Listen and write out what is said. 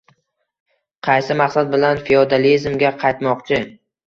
Qaysi maqsad bilan feodalizmga qaytmoqchi?